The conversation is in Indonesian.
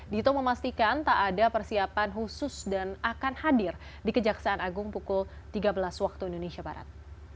dito memastikan tak ada persiapan khusus dan akan hadir di kejaksaan agung pukul tiga belas waktu indonesia barat